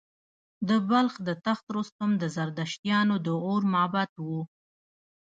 د بلخ د تخت رستم د زردشتیانو د اور معبد و